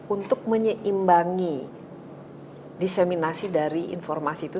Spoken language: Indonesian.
untuk menyeimbangi diseminasi dari informasi itu